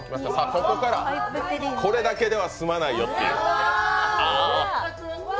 ここから、これだけでは済まないよっていう。